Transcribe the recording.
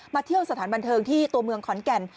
เที่ยวสถานบันเทิงที่ตัวเมืองขอนแก่น